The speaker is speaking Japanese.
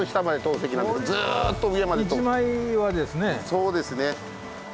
そうですね。